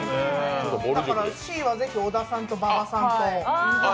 シーはぜひ小田さんと馬場さんと。